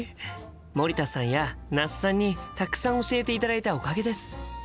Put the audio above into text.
森田さんや那須さんにたくさん教えていただいたおかげです。